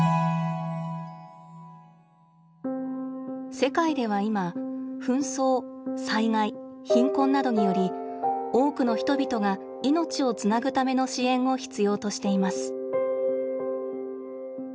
世界ではいま紛争災害貧困などにより多くの人々が命をつなぐための支援を必要としています。